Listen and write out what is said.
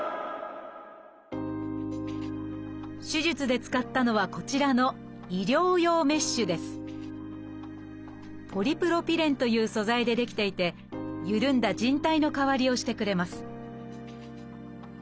手術で使ったのはこちらのポリプロピレンという素材で出来ていて緩んだじん帯の代わりをしてくれます